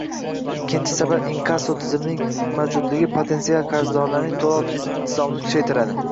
Ikkinchi sabab, inkasso tizimining mavjudligi potentsial qarzdorlarning to'lov intizomini kuchaytiradi